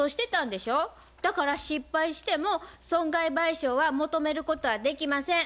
だから失敗しても損害賠償は求めることはできません。